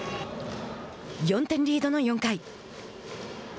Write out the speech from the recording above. ４点リードの４回。